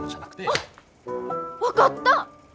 あっ分かった！